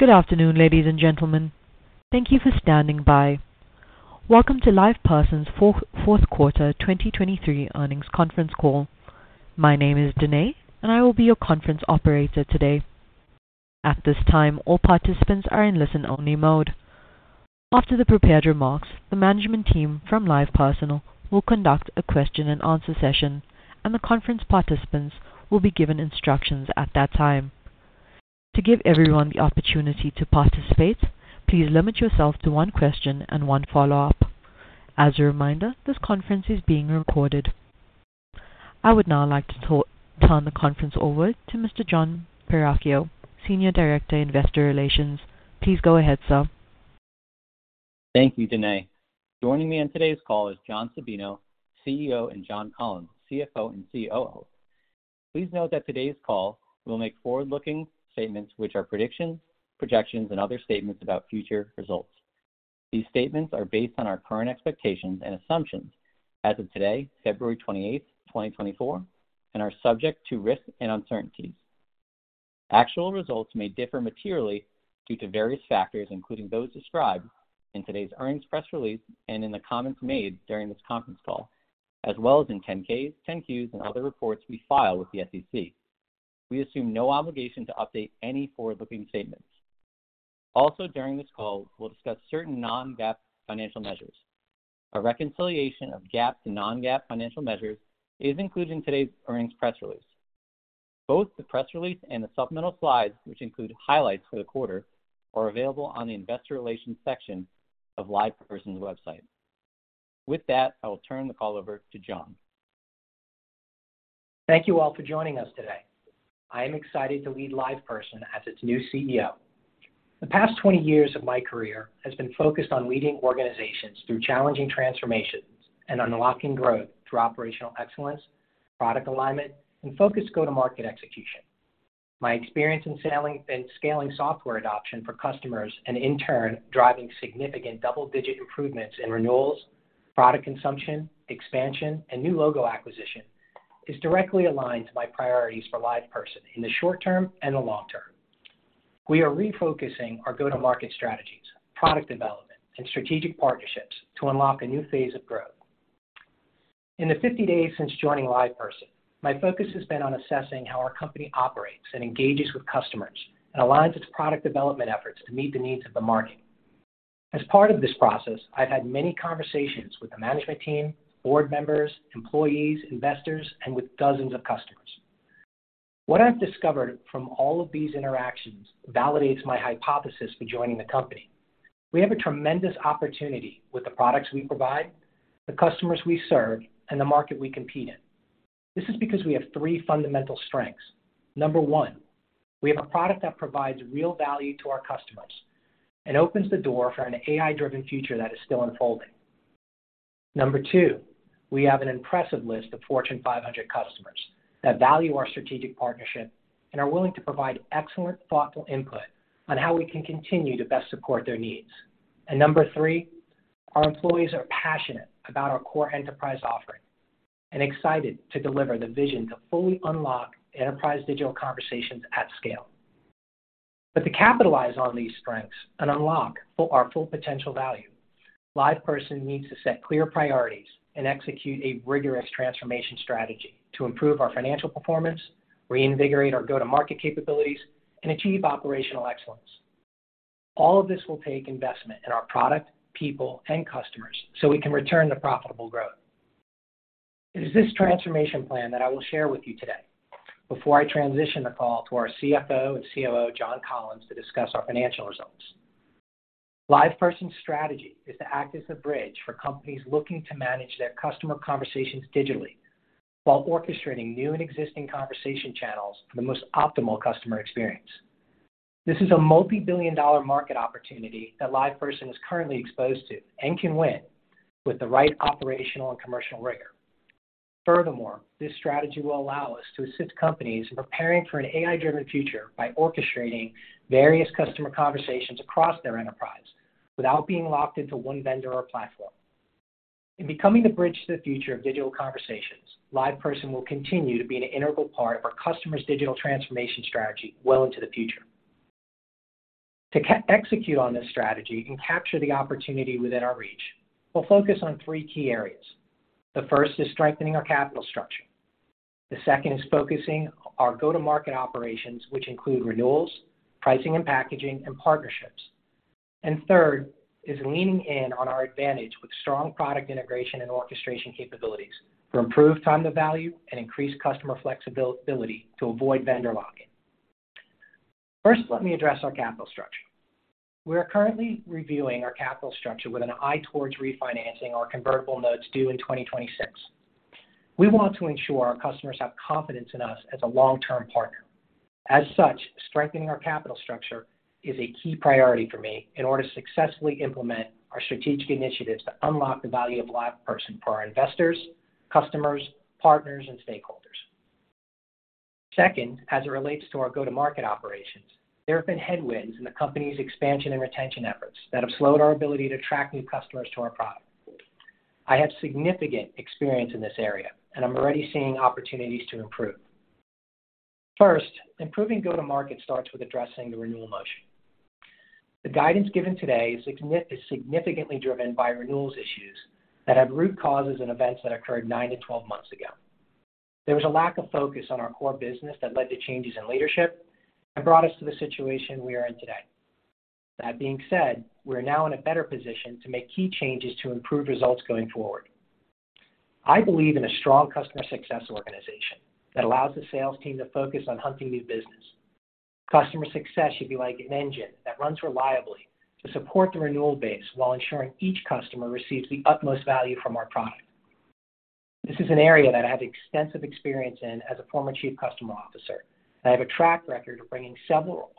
Good afternoon, ladies and gentlemen. Thank you for standing by. Welcome to LivePerson's fourth quarter 2023 earnings conference call. My name is Danae, and I will be your conference operator today. At this time, all participants are in listen-only mode. After the prepared remarks, the management team from LivePerson will conduct a question-and-answer session, and the conference participants will be given instructions at that time. To give everyone the opportunity to participate, please limit yourself to one question and one follow-up. As a reminder, this conference is being recorded. I would now like to turn the conference over to Mr. Jon Perachio, Senior Director, Investor Relations. Please go ahead, sir. Thank you, Danae. Joining me on today's call is John Sabino, CEO, and John Collins, CFO and COO. Please note that today's call will make forward-looking statements which are predictions, projections, and other statements about future results. These statements are based on our current expectations and assumptions as of today, February 28th, 2024, and are subject to risk and uncertainties. Actual results may differ materially due to various factors including those described in today's earnings press release and in the comments made during this conference call, as well as in 10-Ks, 10-Qs, and other reports we file with the SEC. We assume no obligation to update any forward-looking statements. Also, during this call, we'll discuss certain non-GAAP financial measures. A reconciliation of GAAP to non-GAAP financial measures is included in today's earnings press release. Both the press release and the supplemental slides, which include highlights for the quarter, are available on the Investor Relations section of LivePerson's website. With that, I will turn the call over to John. Thank you all for joining us today. I am excited to lead LivePerson as its new CEO. The past 20 years of my career have been focused on leading organizations through challenging transformations and unlocking growth through operational excellence, product alignment, and focused go-to-market execution. My experience in scaling software adoption for customers and, in turn, driving significant double-digit improvements in renewals, product consumption, expansion, and new logo acquisition is directly aligned to my priorities for LivePerson in the short term and the long term. We are refocusing our go-to-market strategies, product development, and strategic partnerships to unlock a new phase of growth. In the 50 days since joining LivePerson, my focus has been on assessing how our company operates and engages with customers and aligns its product development efforts to meet the needs of the market. As part of this process, I've had many conversations with the management team, board members, employees, investors, and with dozens of customers. What I've discovered from all of these interactions validates my hypothesis for joining the company. We have a tremendous opportunity with the products we provide, the customers we serve, and the market we compete in. This is because we have three fundamental strengths. Number one, we have a product that provides real value to our customers and opens the door for an AI-driven future that is still unfolding. Number two, we have an impressive list of Fortune 500 customers that value our strategic partnership and are willing to provide excellent, thoughtful input on how we can continue to best support their needs. Number three, our employees are passionate about our core enterprise offering and excited to deliver the vision to fully unlock enterprise digital conversations at scale. But to capitalize on these strengths and unlock our full potential value, LivePerson needs to set clear priorities and execute a rigorous transformation strategy to improve our financial performance, reinvigorate our go-to-market capabilities, and achieve operational excellence. All of this will take investment in our product, people, and customers so we can return the profitable growth. It is this transformation plan that I will share with you today before I transition the call to our CFO and COO, John Collins, to discuss our financial results. LivePerson's strategy is to act as the bridge for companies looking to manage their customer conversations digitally while orchestrating new and existing conversation channels for the most optimal customer experience. This is a multibillion-dollar market opportunity that LivePerson is currently exposed to and can win with the right operational and commercial rigor. Furthermore, this strategy will allow us to assist companies in preparing for an AI-driven future by orchestrating various customer conversations across their enterprise without being locked into one vendor or platform. In becoming the bridge to the future of digital conversations, LivePerson will continue to be an integral part of our customer's digital transformation strategy well into the future. To execute on this strategy and capture the opportunity within our reach, we'll focus on three key areas. The first is strengthening our capital structure. The second is focusing our go-to-market operations, which include renewals, pricing and packaging, and partnerships. Third is leaning in on our advantage with strong product integration and orchestration capabilities to improve time-to-value and increase customer flexibility to avoid vendor lock-in. First, let me address our capital structure. We are currently reviewing our capital structure with an eye towards refinancing our convertible notes due in 2026. We want to ensure our customers have confidence in us as a long-term partner. As such, strengthening our capital structure is a key priority for me in order to successfully implement our strategic initiatives to unlock the value of LivePerson for our investors, customers, partners, and stakeholders. Second, as it relates to our go-to-market operations, there have been headwinds in the company's expansion and retention efforts that have slowed our ability to attract new customers to our product. I have significant experience in this area, and I'm already seeing opportunities to improve. First, improving go-to-market starts with addressing the renewal motion. The guidance given today is significantly driven by renewals issues that have root causes in events that occurred 9-12 months ago. There was a lack of focus on our core business that led to changes in leadership and brought us to the situation we are in today. That being said, we are now in a better position to make key changes to improve results going forward. I believe in a strong customer success organization that allows the sales team to focus on hunting new business. Customer success should be like an engine that runs reliably to support the renewal base while ensuring each customer receives the utmost value from our product. This is an area that I have extensive experience in as a former Chief Customer Officer, and I have a track record of bringing several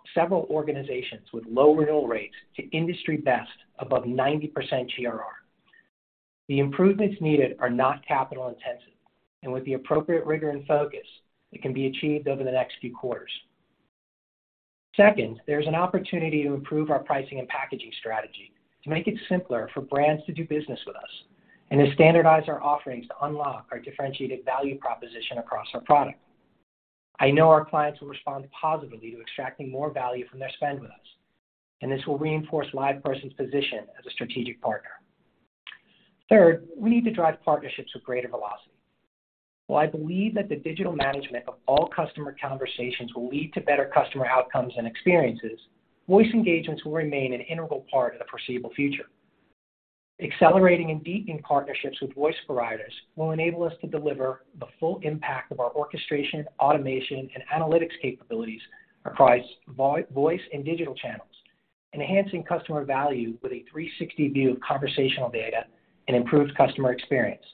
organizations with low renewal rates to industry best above 90% GRR. The improvements needed are not capital-intensive, and with the appropriate rigor and focus, it can be achieved over the next few quarters. Second, there is an opportunity to improve our pricing and packaging strategy to make it simpler for brands to do business with us and to standardize our offerings to unlock our differentiated value proposition across our product. I know our clients will respond positively to extracting more value from their spend with us, and this will reinforce LivePerson's position as a strategic partner. Third, we need to drive partnerships with greater velocity. While I believe that the digital management of all customer conversations will lead to better customer outcomes and experiences, voice engagements will remain an integral part of the foreseeable future. Accelerating and deepening partnerships with voice providers will enable us to deliver the full impact of our orchestration, automation, and analytics capabilities across voice and digital channels, enhancing customer value with a 360 view of conversational data and improved customer experience.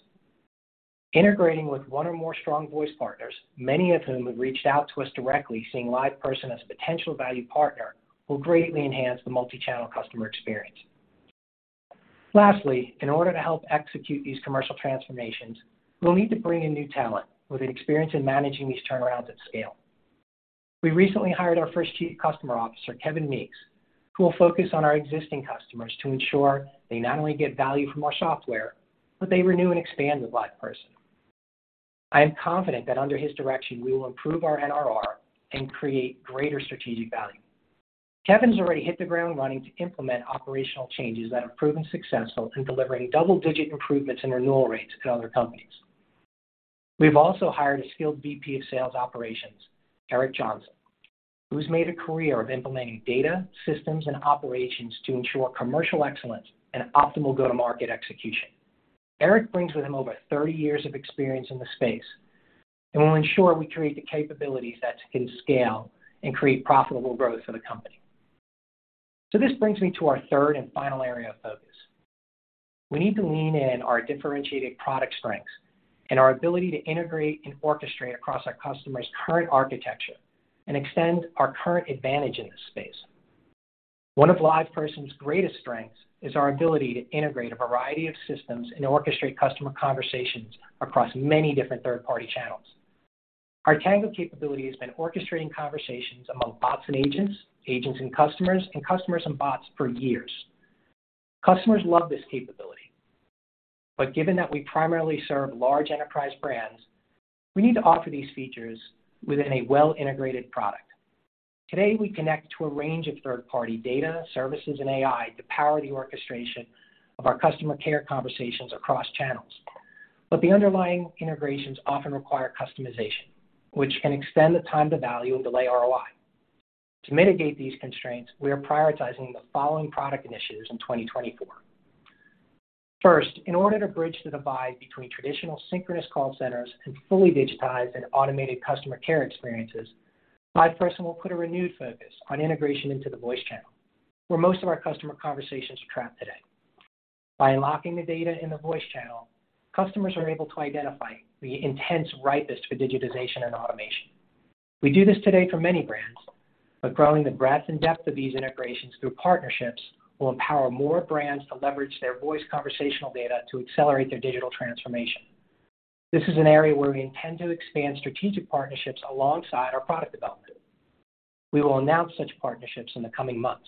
Integrating with one or more strong voice partners, many of whom have reached out to us directly seeing LivePerson as a potential value partner, will greatly enhance the multichannel customer experience. Lastly, in order to help execute these commercial transformations, we'll need to bring in new talent with an experience in managing these turnarounds at scale. We recently hired our first Chief Customer Officer, Kevin Meeks, who will focus on our existing customers to ensure they not only get value from our software but they renew and expand with LivePerson. I am confident that under his direction, we will improve our NRR and create greater strategic value. Kevin's already hit the ground running to implement operational changes that have proven successful in delivering double-digit improvements in renewal rates at other companies. We've also hired a skilled VP of Sales Operations, Eric Johnson, who's made a career of implementing data, systems, and operations to ensure commercial excellence and optimal go-to-market execution. Eric brings with him over 30 years of experience in the space and will ensure we create the capabilities that can scale and create profitable growth for the company. So this brings me to our third and final area of focus. We need to lean in our differentiated product strengths and our ability to integrate and orchestrate across our customer's current architecture and extend our current advantage in this space. One of LivePerson's greatest strengths is our ability to integrate a variety of systems and orchestrate customer conversations across many different third-party channels. Our Tenfold capability has been orchestrating conversations among bots and agents, agents and customers, and customers and bots for years. Customers love this capability. Given that we primarily serve large enterprise brands, we need to offer these features within a well-integrated product. Today, we connect to a range of third-party data, services, and AI to power the orchestration of our customer care conversations across channels. But the underlying integrations often require customization, which can extend the time-to-value and delay ROI. To mitigate these constraints, we are prioritizing the following product initiatives in 2024. First, in order to bridge the divide between traditional synchronous call centers and fully digitized and automated customer care experiences, LivePerson will put a renewed focus on integration into the voice channel where most of our customer conversations are trapped today. By unlocking the data in the voice channel, customers are able to identify the intents ripest for digitization and automation. We do this today for many brands, but growing the breadth and depth of these integrations through partnerships will empower more brands to leverage their voice conversational data to accelerate their digital transformation. This is an area where we intend to expand strategic partnerships alongside our product development. We will announce such partnerships in the coming months.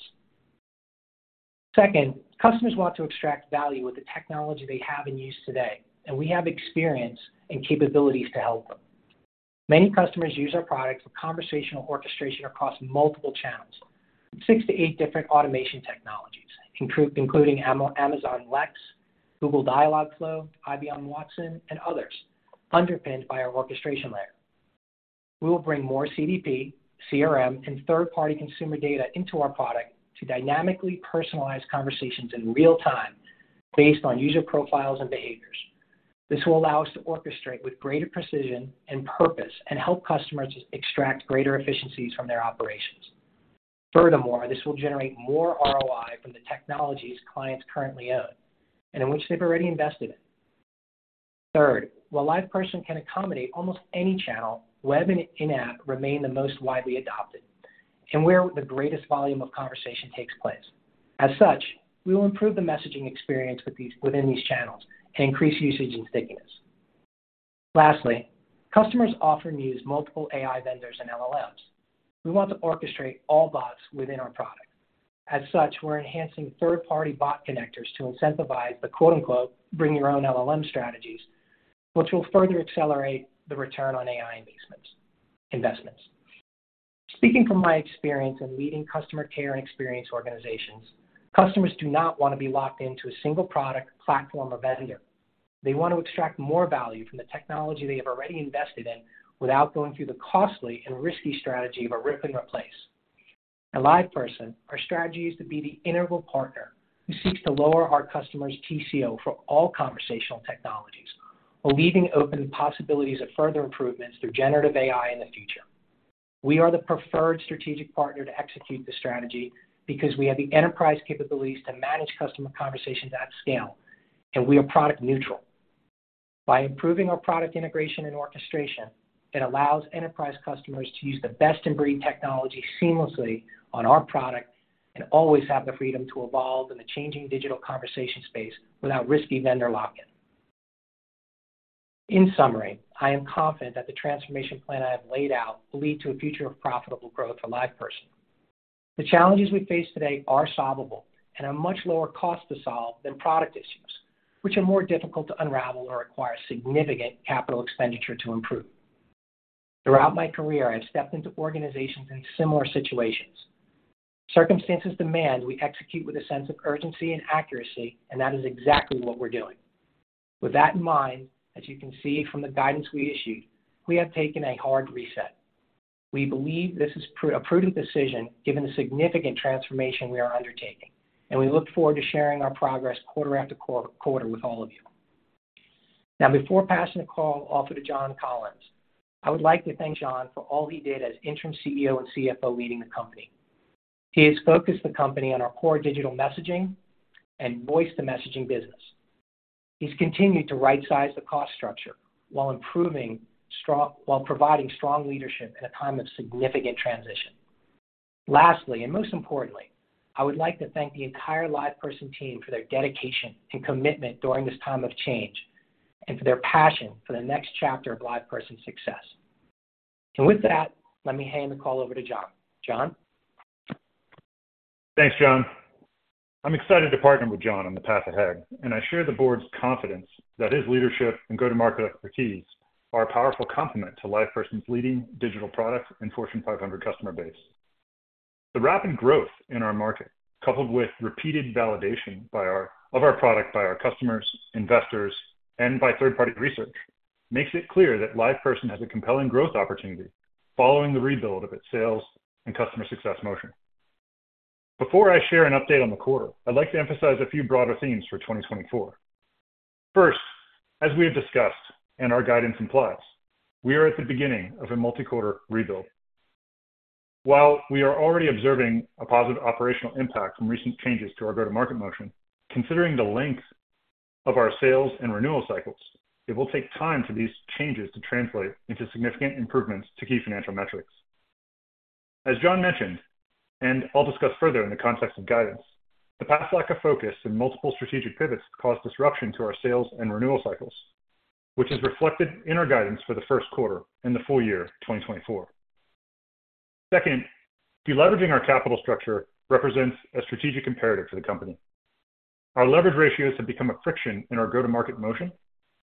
Second, customers want to extract value with the technology they have in use today, and we have experience and capabilities to help them. Many customers use our products for conversational orchestration across multiple channels, 6-8 different automation technologies, including Amazon Lex, Google Dialogflow, IBM Watson, and others underpinned by our orchestration layer. We will bring more CDP, CRM, and third-party consumer data into our product to dynamically personalize conversations in real time based on user profiles and behaviors. This will allow us to orchestrate with greater precision and purpose and help customers extract greater efficiencies from their operations. Furthermore, this will generate more ROI from the technologies clients currently own and in which they've already invested in. Third, while LivePerson can accommodate almost any channel, web and in-app remain the most widely adopted and where the greatest volume of conversation takes place. As such, we will improve the messaging experience within these channels and increase usage and stickiness. Lastly, customers often use multiple AI vendors and LLMs. We want to orchestrate all bots within our product. As such, we're enhancing third-party bot connectors to incentivize the "bring your own LLM" strategies, which will further accelerate the return on AI investments. Speaking from my experience in leading customer care and experience organizations, customers do not want to be locked into a single product, platform, or vendor. They want to extract more value from the technology they have already invested in without going through the costly and risky strategy of a rip and replace. At LivePerson, our strategy is to be the integral partner who seeks to lower our customer's TCO for all conversational technologies, while leaving open the possibilities of further improvements through generative AI in the future. We are the preferred strategic partner to execute the strategy because we have the enterprise capabilities to manage customer conversations at scale, and we are product-neutral. By improving our product integration and orchestration, it allows enterprise customers to use the best-in-breed technology seamlessly on our product and always have the freedom to evolve in the changing digital conversation space without risky vendor lock-in. In summary, I am confident that the transformation plan I have laid out will lead to a future of profitable growth for LivePerson. The challenges we face today are solvable and are much lower cost to solve than product issues, which are more difficult to unravel or require significant capital expenditure to improve. Throughout my career, I have stepped into organizations in similar situations. Circumstances demand we execute with a sense of urgency and accuracy, and that is exactly what we're doing. With that in mind, as you can see from the guidance we issued, we have taken a hard reset. We believe this is a prudent decision given the significant transformation we are undertaking, and we look forward to sharing our progress quarter after quarter with all of you. Now, before passing the call over to John Collins, I would like to thank John for all he did as interim CEO and CFO leading the company. He has focused the company on our core digital messaging and voice-to-messaging business. He's continued to right-size the cost structure while providing strong leadership in a time of significant transition. Lastly, and most importantly, I would like to thank the entire LivePerson team for their dedication and commitment during this time of change and for their passion for the next chapter of LivePerson's success. And with that, let me hand the call over to John. John? Thanks, John. I'm excited to partner with John on the path ahead, and I share the board's confidence that his leadership and go-to-market expertise are a powerful complement to LivePerson's leading digital product and Fortune 500 customer base. The rapid growth in our market, coupled with repeated validation of our product by our customers, investors, and by third-party research, makes it clear that LivePerson has a compelling growth opportunity following the rebuild of its sales and customer success motion. Before I share an update on the quarter, I'd like to emphasize a few broader themes for 2024. First, as we have discussed and our guidance implies, we are at the beginning of a multi-quarter rebuild. While we are already observing a positive operational impact from recent changes to our go-to-market motion, considering the length of our sales and renewal cycles, it will take time for these changes to translate into significant improvements to key financial metrics. As John mentioned, and I'll discuss further in the context of guidance, the past lack of focus and multiple strategic pivots caused disruption to our sales and renewal cycles, which is reflected in our guidance for the first quarter and the full year 2024. Second, deleveraging our capital structure represents a strategic imperative for the company. Our leverage ratios have become a friction in our go-to-market motion,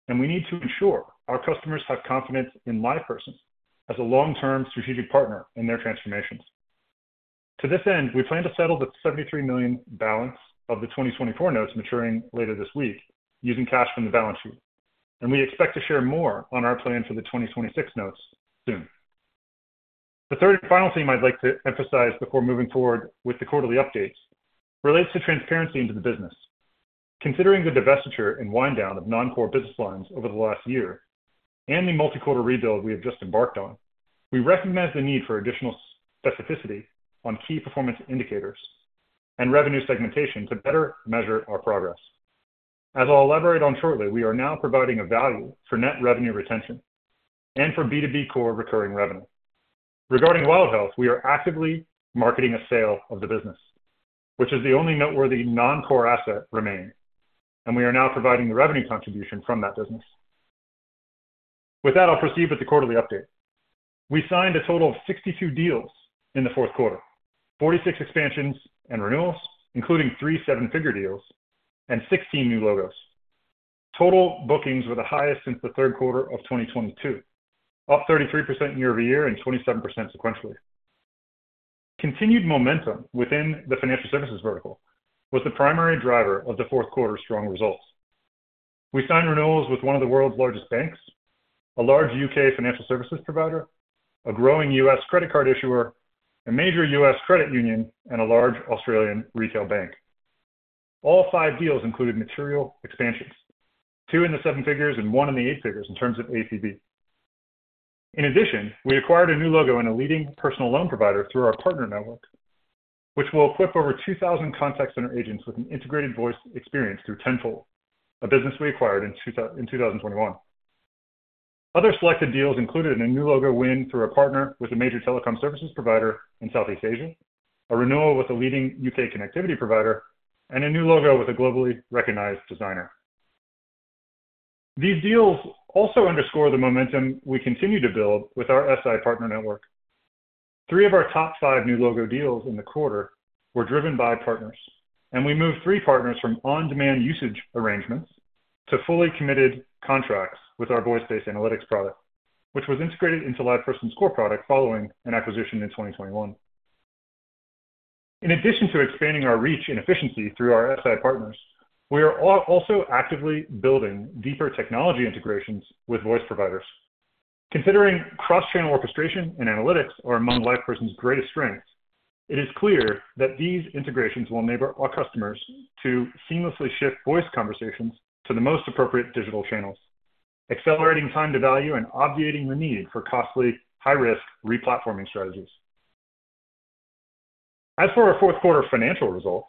and we need to ensure our customers have confidence in LivePerson as a long-term strategic partner in their transformations. To this end, we plan to settle the $73 million balance of the 2024 notes maturing later this week using cash from the balance sheet, and we expect to share more on our plan for the 2026 notes soon. The third and final thing I'd like to emphasize before moving forward with the quarterly updates relates to transparency into the business. Considering the divestiture and wind-down of non-core business lines over the last year and the multi-quarter rebuild we have just embarked on, we recognize the need for additional specificity on key performance indicators and revenue segmentation to better measure our progress. As I'll elaborate on shortly, we are now providing a value for net revenue retention and for B2B core recurring revenue. Regarding Wild Health, we are actively marketing a sale of the business, which is the only noteworthy non-core asset remaining, and we are now providing the revenue contribution from that business. With that, I'll proceed with the quarterly update. We signed a total of 62 deals in the fourth quarter, 46 expansions and renewals, including 3 seven-figure deals and 16 new logos, total bookings with the highest since the third quarter of 2022, up 33% year-over-year and 27% sequentially. Continued momentum within the financial services vertical was the primary driver of the fourth quarter's strong results. We signed renewals with one of the world's largest banks, a large U.K. financial services provider, a growing U.S. credit card issuer, a major U.S. credit union, and a large Australian retail bank. All five deals included material expansions, two in the seven figures and one in the eight figures in terms of ACV. In addition, we acquired a new logo and a leading personal loan provider through our partner network, which will equip over 2,000 contact center agents with an integrated voice experience through Tenfold, a business we acquired in 2021. Other selected deals included a new logo win through a partner with a major telecom services provider in Southeast Asia, a renewal with a leading U.K. connectivity provider, and a new logo with a globally recognized designer. These deals also underscore the momentum we continue to build with our SI partner network. 3 of our top 5 new logo deals in the quarter were driven by partners, and we moved 3 partners from on-demand usage arrangements to fully committed contracts with our voice-based analytics product, which was integrated into LivePerson's core product following an acquisition in 2021. In addition to expanding our reach and efficiency through our SI partners, we are also actively building deeper technology integrations with voice providers. Considering cross-channel orchestration and analytics are among LivePerson's greatest strengths, it is clear that these integrations will enable our customers to seamlessly shift voice conversations to the most appropriate digital channels, accelerating time-to-value and obviating the need for costly, high-risk replatforming strategies. As for our fourth quarter financial results,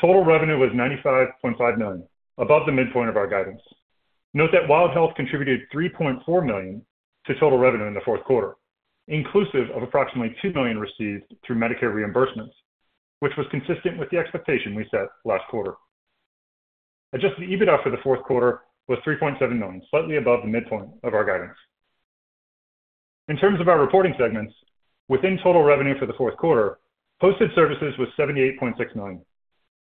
total revenue was $95.5 million, above the midpoint of our guidance. Note that Wild Health contributed $3.4 million to total revenue in the fourth quarter, inclusive of approximately $2 million received through Medicare reimbursements, which was consistent with the expectation we set last quarter. Adjusted EBITDA for the fourth quarter was $3.7 million, slightly above the midpoint of our guidance. In terms of our reporting segments, within total revenue for the fourth quarter, hosted services was $78.6 million,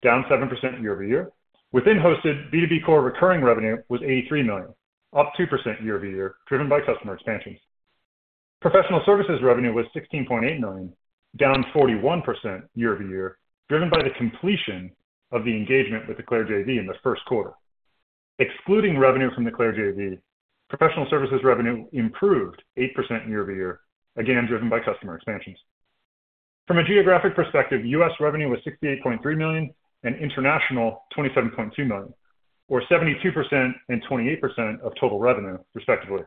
down 7% year-over-year. Within hosted, B2B Core Recurring Revenue was $83 million, up 2% year-over-year driven by customer expansions. Professional services revenue was $16.8 million, down 41% year-over-year driven by the completion of the engagement with the Clare JV in the first quarter. Excluding revenue from the Clare JV, professional services revenue improved 8% year-over-year, again driven by customer expansions. From a geographic perspective, U.S. revenue was $68.3 million and international $27.2 million, or 72% and 28% of total revenue, respectively.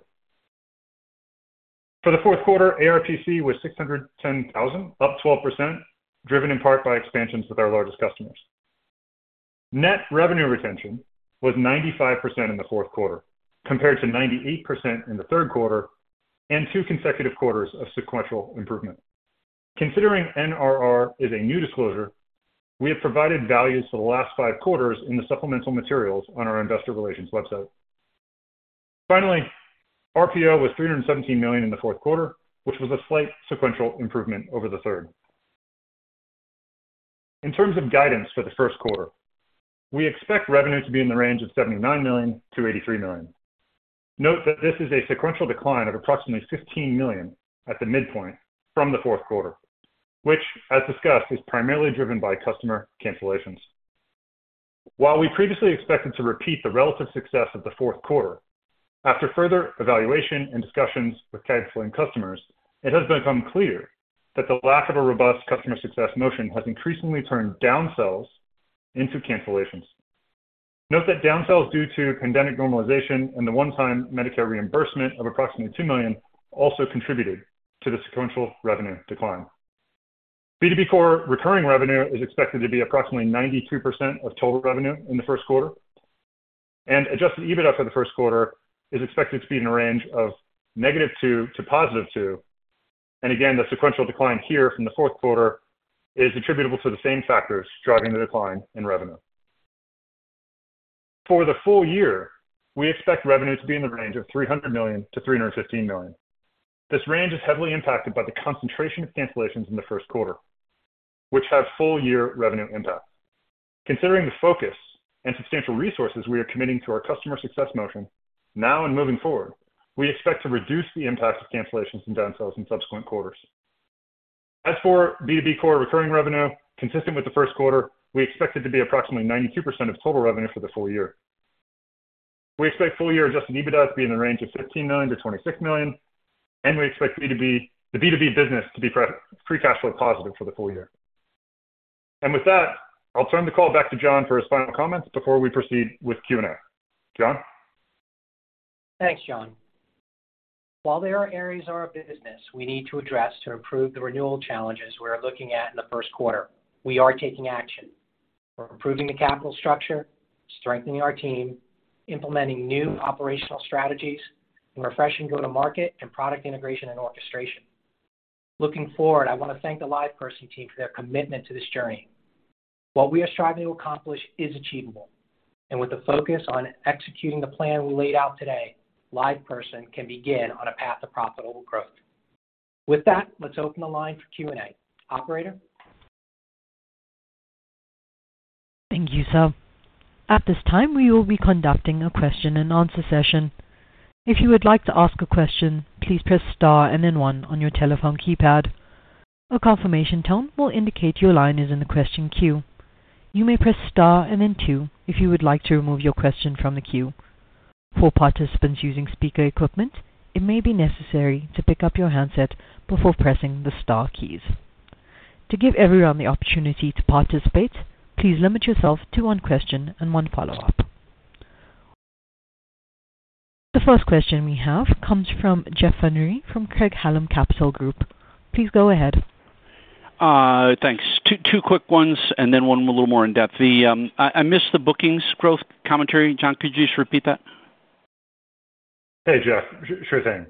For the fourth quarter, ARPC was $610,000, up 12%, driven in part by expansions with our largest customers. Net revenue retention was 95% in the fourth quarter compared to 98% in the third quarter and two consecutive quarters of sequential improvement. Considering NRR is a new disclosure, we have provided values for the last five quarters in the supplemental materials on our investor relations website. Finally, RPO was $317 million in the fourth quarter, which was a slight sequential improvement over the third. In terms of guidance for the first quarter, we expect revenue to be in the range of $79 million-$83 million. Note that this is a sequential decline of approximately $15 million at the midpoint from the fourth quarter, which, as discussed, is primarily driven by customer cancellations. While we previously expected to repeat the relative success of the fourth quarter, after further evaluation and discussions with canceling customers, it has become clear that the lack of a robust customer success motion has increasingly turned downsells into cancellations. Note that downsells due to pandemic normalization and the one-time Medicare reimbursement of approximately $2 million also contributed to the sequential revenue decline. B2B Core Recurring Revenue is expected to be approximately 92% of total revenue in the first quarter, and adjusted EBITDA for the first quarter is expected to be in the range of -$2 million to +$2 million. Again, the sequential decline here from the fourth quarter is attributable to the same factors driving the decline in revenue. For the full year, we expect revenue to be in the range of $300 million-$315 million. This range is heavily impacted by the concentration of cancellations in the first quarter, which have full-year revenue impact. Considering the focus and substantial resources we are committing to our customer success motion now and moving forward, we expect to reduce the impact of cancellations and downsells in subsequent quarters. As for B2B core recurring revenue, consistent with the first quarter, we expect it to be approximately 92% of total revenue for the full year. We expect full-year adjusted EBITDA to be in the range of $15 million-$26 million, and we expect the B2B business to be free cash flow positive for the full year. And with that, I'll turn the call back to John for his final comments before we proceed with Q&A. John? Thanks, John. While there are areas of our business we need to address to improve the renewal challenges we are looking at in the first quarter, we are taking action. We're improving the capital structure, strengthening our team, implementing new operational strategies, and refreshing go-to-market and product integration and orchestration. Looking forward, I want to thank the LivePerson team for their commitment to this journey. What we are striving to accomplish is achievable, and with the focus on executing the plan we laid out today, LivePerson can begin on a path of profitable growth. With that, let's open the line for Q&A. Operator? Thank you, sir. At this time, we will be conducting a question-and-answer session. If you would like to ask a question, please press star and then one on your telephone keypad. A confirmation tone will indicate your line is in the question queue. You may press star and then two if you would like to remove your question from the queue. For participants using speaker equipment, it may be necessary to pick up your handset before pressing the star keys. To give everyone the opportunity to participate, please limit yourself to one question and one follow-up. The first question we have comes from Jeff Van Rhee from Craig-Hallum Capital Group. Please go ahead. Thanks. Two quick ones and then one a little more in-depth. I missed the bookings growth commentary. John, could you just repeat that? Hey, Jeff. Sure thing.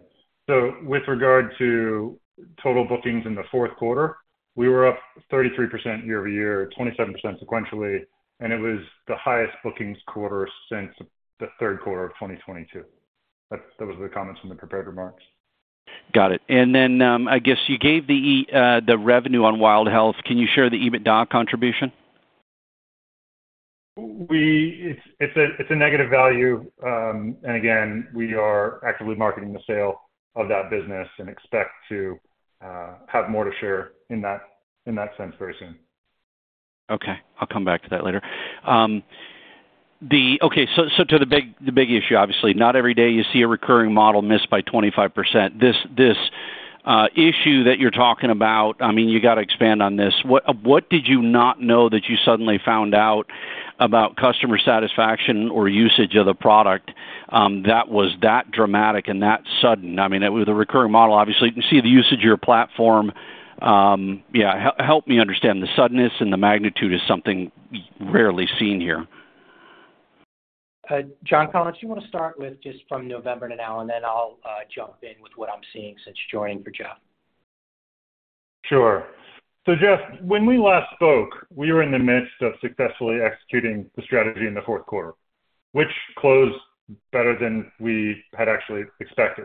So with regard to total bookings in the fourth quarter, we were up 33% year-over-year, 27% sequentially, and it was the highest bookings quarter since the third quarter of 2022. That was the comments from the prepared remarks. Got it. And then I guess you gave the revenue on Wild Health. Can you share the EBITDA contribution? It's a negative value, and again, we are actively marketing the sale of that business and expect to have more to share in that sense very soon. Okay. I'll come back to that later. Okay. So to the big issue, obviously, not every day you see a recurring model missed by 25%. This issue that you're talking about, I mean, you got to expand on this. What did you not know that you suddenly found out about customer satisfaction or usage of the product that was that dramatic and that sudden? I mean, with a recurring model, obviously, you can see the usage of your platform. Yeah. Help me understand. The suddenness and the magnitude is something rarely seen here. John Collins, do you want to start with just from November to now, and then I'll jump in with what I'm seeing since joining for Jeff? Sure. So Jeff, when we last spoke, we were in the midst of successfully executing the strategy in the fourth quarter, which closed better than we had actually expected.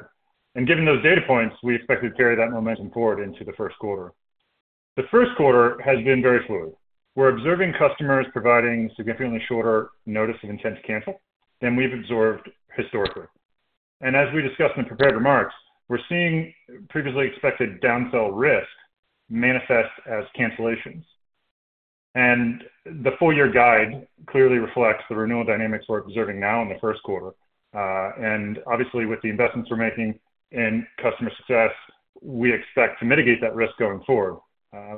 Given those data points, we expected to carry that momentum forward into the first quarter. The first quarter has been very fluid. We're observing customers providing significantly shorter notice of intent to cancel than we've observed historically. As we discussed in the prepared remarks, we're seeing previously expected downsell risk manifest as cancellations. The full-year guide clearly reflects the renewal dynamics we're observing now in the first quarter. Obviously, with the investments we're making in customer success, we expect to mitigate that risk going forward,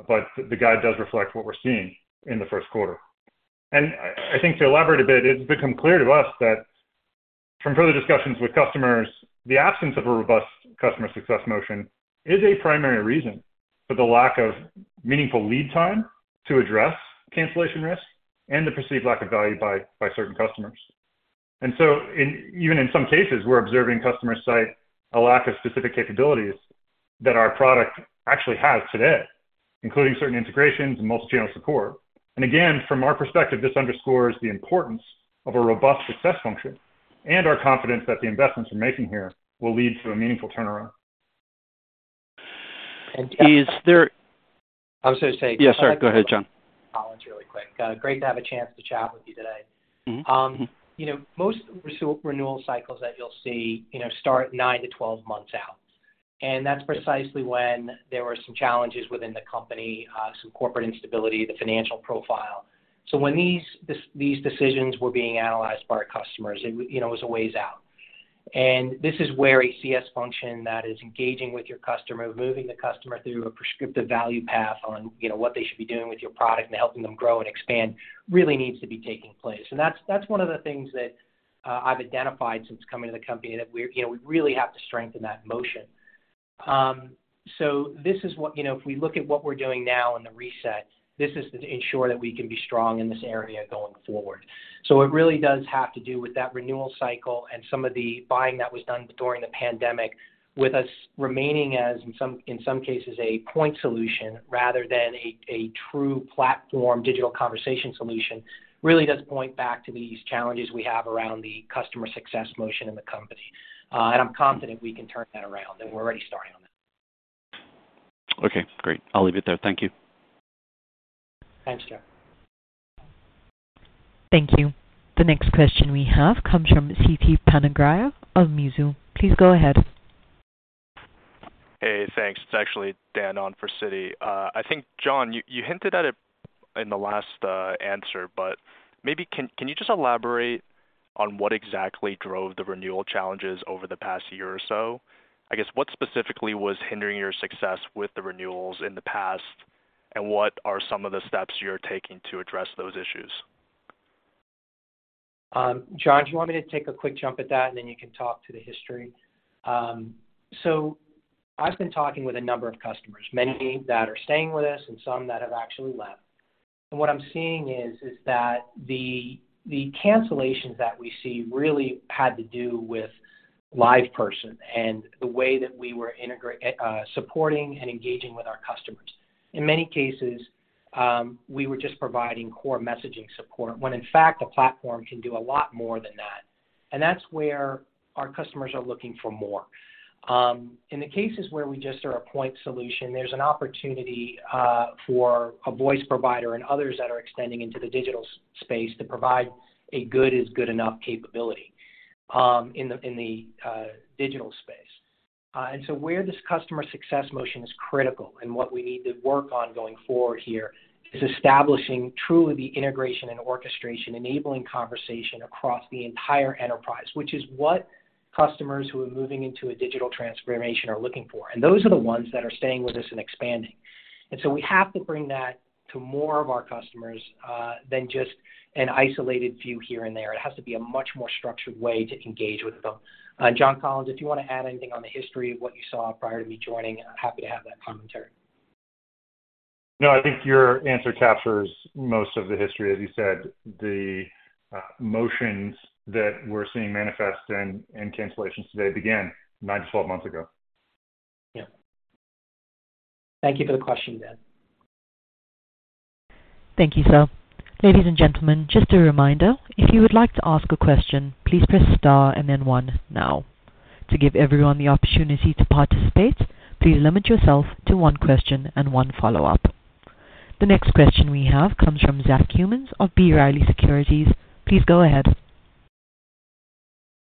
but the guide does reflect what we're seeing in the first quarter. I think to elaborate a bit, it's become clear to us that from further discussions with customers, the absence of a robust customer success motion is a primary reason for the lack of meaningful lead time to address cancellation risk and the perceived lack of value by certain customers. So even in some cases, we're observing customers cite a lack of specific capabilities that our product actually has today, including certain integrations and multi-channel support. Again, from our perspective, this underscores the importance of a robust success function and our confidence that the investments we're making here will lead to a meaningful turnaround. Is there? I was going to say. Yes, sir. Go ahead, John. I'll answer really quick. Great to have a chance to chat with you today. Most renewal cycles that you'll see start 9-12 months out, and that's precisely when there were some challenges within the company, some corporate instability, the financial profile. So when these decisions were being analyzed by our customers, it was a ways out. And this is where a CS function that is engaging with your customer, moving the customer through a prescriptive value path on what they should be doing with your product and helping them grow and expand really needs to be taking place. And that's one of the things that I've identified since coming to the company that we really have to strengthen that motion. So this is what, if we look at what we're doing now in the reset, this is to ensure that we can be strong in this area going forward. So it really does have to do with that renewal cycle and some of the buying that was done during the pandemic with us remaining as, in some cases, a point solution rather than a true platform digital conversation solution really does point back to these challenges we have around the customer success motion in the company. And I'm confident we can turn that around, and we're already starting on that. Okay. Great. I'll leave it there. Thank you. Thanks, Jeff. Thank you. The next question we have comes from Siti Panigrahi of Mizuho. Please go ahead. Hey. Thanks. It's actually Dan on for Siti. I think, John, you hinted at it in the last answer, but maybe can you just elaborate on what exactly drove the renewal challenges over the past year or so? I guess what specifically was hindering your success with the renewals in the past, and what are some of the steps you're taking to address those issues? John, do you want me to take a quick jump at that, and then you can talk to the history? So I've been talking with a number of customers, many that are staying with us and some that have actually left. And what I'm seeing is that the cancellations that we see really had to do with LivePerson and the way that we were supporting and engaging with our customers. In many cases, we were just providing core messaging support when, in fact, the platform can do a lot more than that. And that's where our customers are looking for more. In the cases where we just are a point solution, there's an opportunity for a voice provider and others that are extending into the digital space to provide a good is good enough capability in the digital space. And so where this customer success motion is critical and what we need to work on going forward here is establishing truly the integration and orchestration, enabling conversation across the entire enterprise, which is what customers who are moving into a digital transformation are looking for. And those are the ones that are staying with us and expanding. And so we have to bring that to more of our customers than just an isolated view here and there. It has to be a much more structured way to engage with them. And John Collins, if you want to add anything on the history of what you saw prior to me joining, happy to have that commentary. No, I think your answer captures most of the history. As you said, the motions that we're seeing manifest in cancellations today began 9-12 months ago. Yeah. Thank you for the question, Dan. Thank you, sir. Ladies and gentlemen, just a reminder, if you would like to ask a question, please press star and then one now. To give everyone the opportunity to participate, please limit yourself to one question and one follow-up. The next question we have comes from Zach Cummins of B. Riley Securities. Please go ahead.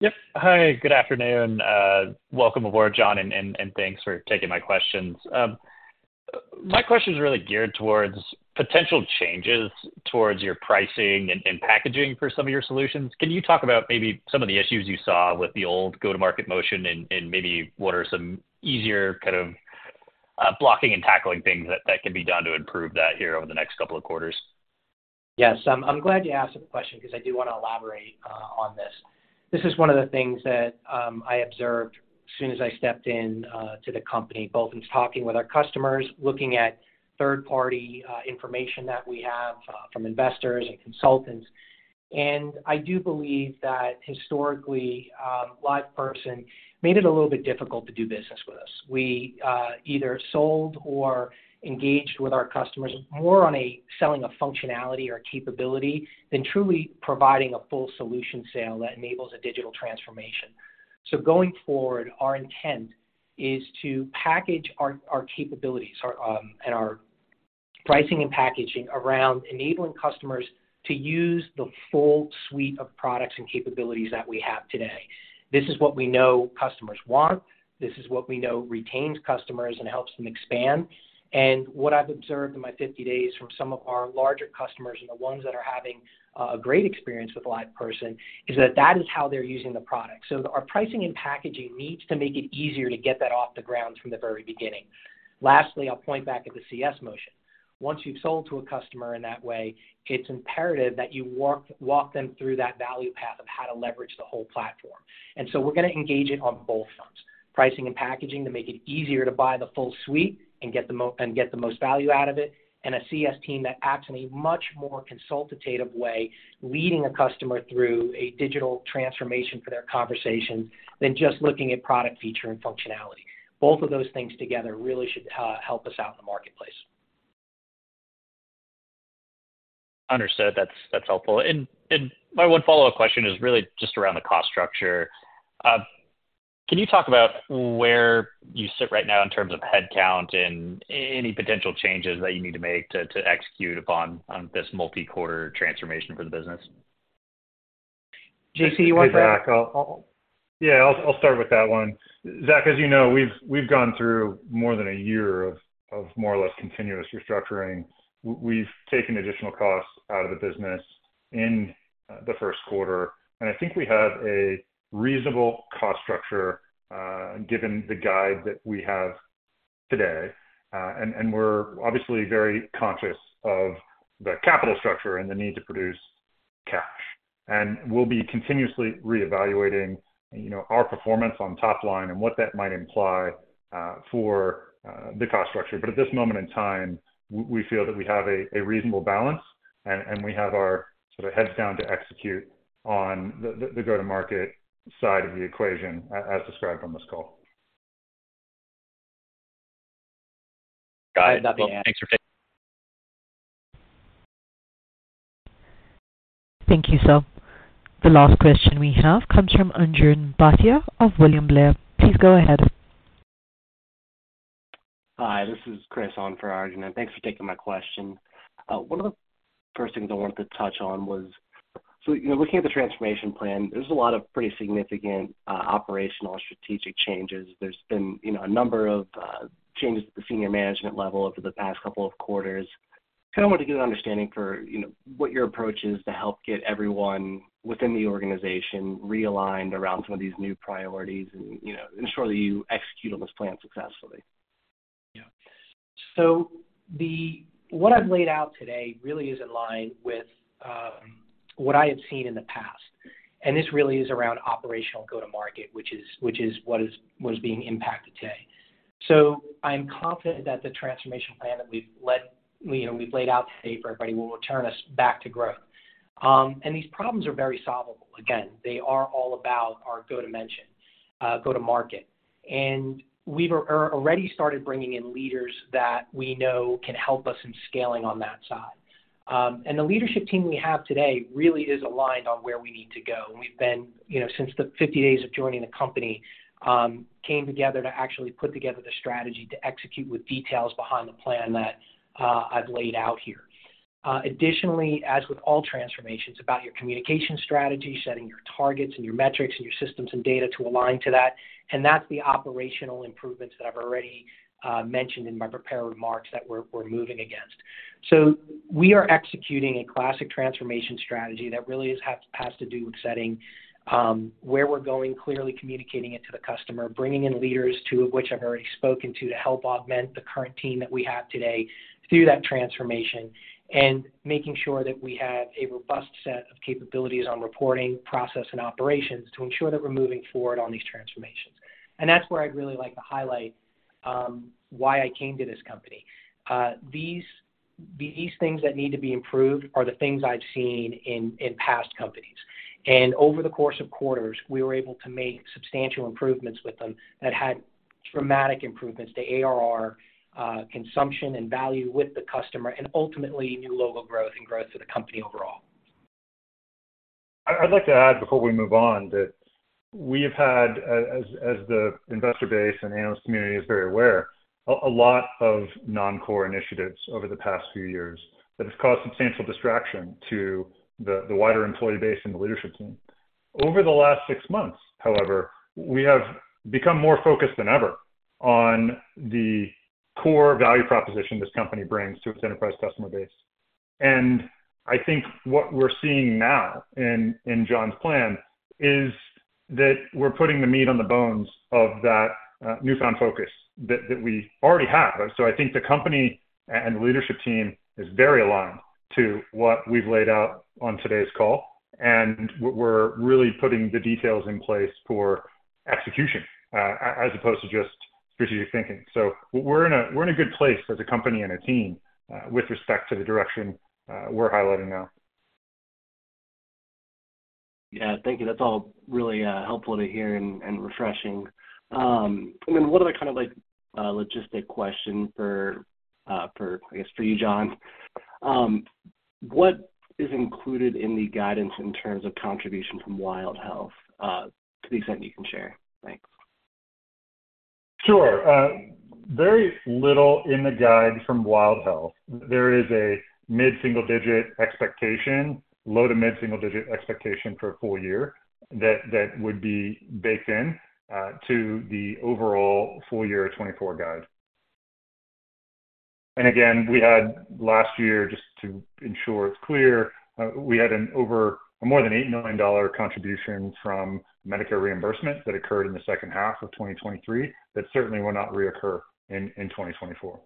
Yep. Hi. Good afternoon. Welcome aboard, John, and thanks for taking my questions. My question is really geared towards potential changes towards your pricing and packaging for some of your solutions. Can you talk about maybe some of the issues you saw with the old go-to-market motion and maybe what are some easier kind of blocking and tackling things that can be done to improve that here over the next couple of quarters? Yes. I'm glad you asked the question because I do want to elaborate on this. This is one of the things that I observed as soon as I stepped into the company, both in talking with our customers, looking at third-party information that we have from investors and consultants. I do believe that historically, LivePerson made it a little bit difficult to do business with us. We either sold or engaged with our customers more on selling a functionality or capability than truly providing a full solution sale that enables a digital transformation. Going forward, our intent is to package our capabilities and our pricing and packaging around enabling customers to use the full suite of products and capabilities that we have today. This is what we know customers want. This is what we know retains customers and helps them expand. What I've observed in my 50 days from some of our larger customers and the ones that are having a great experience with LivePerson is that that is how they're using the product. Our pricing and packaging needs to make it easier to get that off the ground from the very beginning. Lastly, I'll point back at the CS motion. Once you've sold to a customer in that way, it's imperative that you walk them through that value path of how to leverage the whole platform. And so we're going to engage it on both fronts, pricing and packaging, to make it easier to buy the full suite and get the most value out of it, and a CS team that acts in a much more consultative way, leading a customer through a digital transformation for their conversations than just looking at product feature and functionality. Both of those things together really should help us out in the marketplace. Understood. That's helpful. My one follow-up question is really just around the cost structure. Can you talk about where you sit right now in terms of headcount and any potential changes that you need to make to execute upon this multi-quarter transformation for the business? J.C., you want to? Hey, Zach. Yeah. I'll start with that one. Zach, as you know, we've gone through more than a year of more or less continuous restructuring. We've taken additional costs out of the business in the first quarter, and I think we have a reasonable cost structure given the guide that we have today. And we're obviously very conscious of the capital structure and the need to produce cash. And we'll be continuously reevaluating our performance on top line and what that might imply for the cost structure. But at this moment in time, we feel that we have a reasonable balance, and we have our sort of heads down to execute on the go-to-market side of the equation as described on this call. Got it. That'd be all. Thanks for taking the time. Thank you, sir. The last question we have comes from Arjun Bhatia of William Blair. Please go ahead. Hi. This is Chris on for Arjun. Thanks for taking my question. One of the first things I wanted to touch on was, so looking at the transformation plan, there's a lot of pretty significant operational and strategic changes. There's been a number of changes at the senior management level over the past couple of quarters. Kind of wanted to get an understanding for what your approach is to help get everyone within the organization realigned around some of these new priorities and ensure that you execute on this plan successfully. Yeah. So what I've laid out today really is in line with what I have seen in the past. And this really is around operational go-to-market, which is what is being impacted today. So I'm confident that the transformation plan that we've laid out today for everybody will return us back to growth. These problems are very solvable. Again, they are all about our go-to-market. We've already started bringing in leaders that we know can help us in scaling on that side. The leadership team we have today really is aligned on where we need to go. We've been since the 50 days of joining the company, came together to actually put together the strategy to execute with details behind the plan that I've laid out here. Additionally, as with all transformations, about your communication strategy, setting your targets and your metrics and your systems and data to align to that. That's the operational improvements that I've already mentioned in my prepared remarks that we're moving against. So we are executing a classic transformation strategy that really has to do with setting where we're going, clearly communicating it to the customer, bringing in leaders, two of which I've already spoken to, to help augment the current team that we have today through that transformation, and making sure that we have a robust set of capabilities on reporting, process, and operations to ensure that we're moving forward on these transformations. And that's where I'd really like to highlight why I came to this company. These things that need to be improved are the things I've seen in past companies. And over the course of quarters, we were able to make substantial improvements with them that had dramatic improvements to ARR, consumption, and value with the customer, and ultimately, new logo growth and growth for the company overall. I'd like to add before we move on that we have had, as the investor base and analyst community is very aware, a lot of non-core initiatives over the past few years that have caused substantial distraction to the wider employee base and the leadership team. Over the last six months, however, we have become more focused than ever on the core value proposition this company brings to its enterprise customer base. I think what we're seeing now in John's plan is that we're putting the meat on the bones of that newfound focus that we already have. I think the company and the leadership team is very aligned to what we've laid out on today's call. We're really putting the details in place for execution as opposed to just strategic thinking. We're in a good place as a company and a team with respect to the direction we're highlighting now. Yeah. Thank you. That's all really helpful to hear and refreshing. Then one other kind of logistical question for, I guess, for you, John. What is included in the guidance in terms of contribution from Wild Health to the extent you can share? Thanks. Sure. Very little in the guide from Wild Health. There is a mid-single-digit expectation, low to mid-single-digit expectation for a full year that would be baked in to the overall full year 2024 guide. Again, we had last year, just to ensure it's clear, we had a more than $8 million contribution from Medicare reimbursement that occurred in the second half of 2023 that certainly will not reoccur in 2024.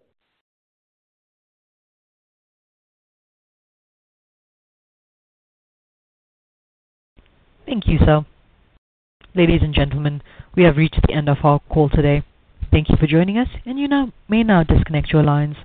Thank you, sir. Ladies and gentlemen, we have reached the end of our call today. Thank you for joining us, and you may now disconnect your lines.